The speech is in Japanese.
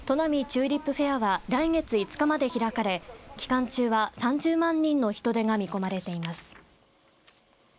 チューリップフェアは来月５日まで開かれ期間中は３０万人の人出が見込まれています。